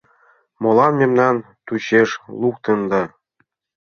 — Молан мемнам тушеч луктында?